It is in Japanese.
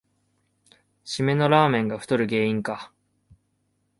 しめのラーメンが太る原因か